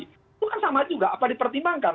itu kan sama juga apa dipertimbangkan